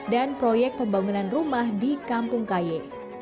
dan proyek pembangunan rumah di kampung kaye